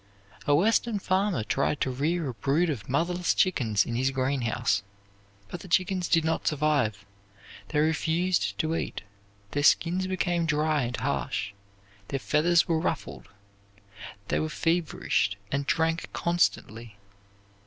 A Western farmer tried to rear a brood of motherless chickens in his greenhouse. But the chickens did not thrive. They refused to eat; their skins became dry and harsh; their feathers were ruffled; they were feverish and drank constantly.